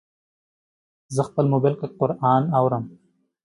زه خپل موبایل کې قرآن اورم.